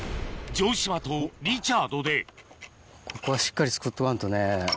城島とリチャードでここはしっかり作っとかんとね土台だから。